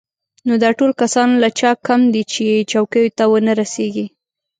نو دا ټول کسان له چا کم دي چې چوکیو ته ونه رسېږي.